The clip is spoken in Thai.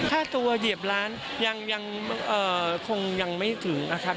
ถ้าตัวเหยียบร้านยังไม่ถึงนะครับ